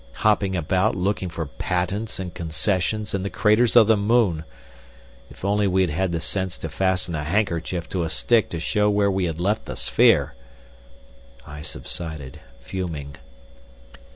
... Hopping about looking for patents and concessions in the craters of the moon!... If only we had had the sense to fasten a handkerchief to a stick to show where we had left the sphere!" I subsided, fuming.